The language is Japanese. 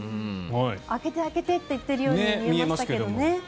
開けて、開けてって言っているように見えましたね。